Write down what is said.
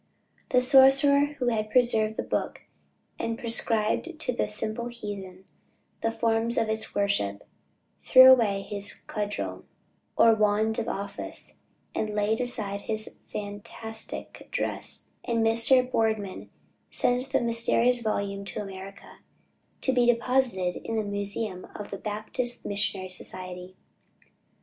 The sorcerer who had preserved the book, and prescribed to the simple heathen the forms of its worship, threw away his cudgel, or wand of office, and laid aside his fantastic dress; and Mr. Boardman sent the mysterious volume to America, to be deposited in the museum of the Baptist Missionary Society.